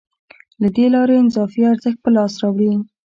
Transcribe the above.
له دې لارې اضافي ارزښت په لاس راوړي